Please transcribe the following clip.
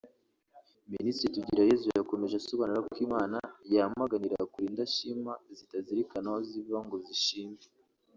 Minisitiri Tugireyezu yakomeje asobanura ko Imana yamaganira kure indashima zitazirikana aho ziva ngo zishime